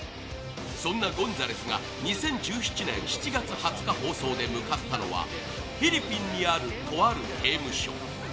そんなゴンザレスが２０１７年７月２０日放送で向かったのはフィリピンにある、とある刑務所。